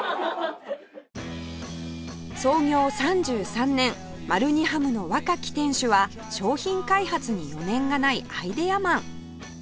創業３３年マルニハムの若き店主は商品開発に余念がないアイデアマン